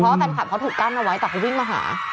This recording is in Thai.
เพราะว่าแฟนคลับเขาถูกกั้นเอาไว้แต่เขาวิ่งมาหา